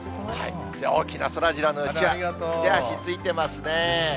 大きなそらジローのうちわ、手足付いてますね。